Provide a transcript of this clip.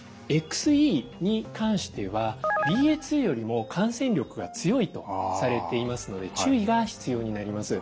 ＸＥに関してはＢＡ．２よりも感染力が強いとされていますので注意が必要になります。